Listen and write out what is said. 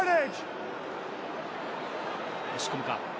押し込むか？